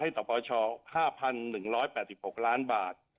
ให้ต่อประชา๕๑๘๖ล้านบาท